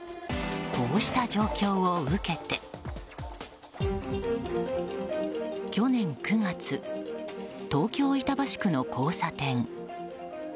こうした状況を受けて去年９月、東京・板橋区の交差点。